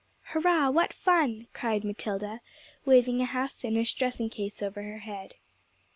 'Hurrah! what fun!' cried Matilda, waving a half finished dressing case over her head.